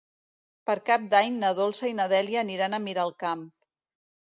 Per Cap d'Any na Dolça i na Dèlia aniran a Miralcamp.